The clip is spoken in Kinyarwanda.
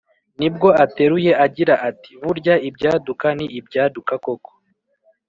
ni bwo ateruye agira ati "burya ibyaduka ni ibyaduka koko